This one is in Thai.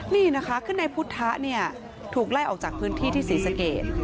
นี่นะคะคือนายพุทธะเนี่ยถูกไล่ออกจากพื้นที่ที่ศรีสเกต